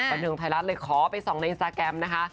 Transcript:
บันเทิงไทยรัฐเลยขอไปส่องในอินสตาแกรมนะคะ